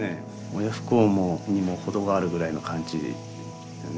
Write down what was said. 親不孝にも程があるぐらいの感じだね。